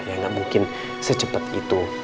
ya gak mungkin secepet itu